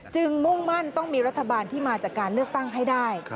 มุ่งมั่นต้องมีรัฐบาลที่มาจากการเลือกตั้งให้ได้